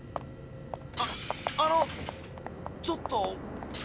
ああのちょっと。